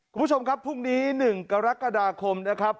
คุณผู้ชมครับพรุ่งนี้๑กรกฎาคมนะครับ